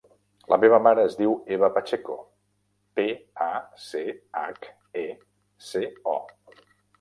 La meva mare es diu Eva Pacheco: pe, a, ce, hac, e, ce, o.